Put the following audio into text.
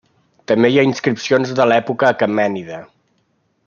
També hi ha inscripcions de l'època Aquemènida.